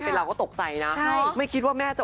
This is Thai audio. เป็นเราก็ตกใจนะไม่คิดว่าแม่จะ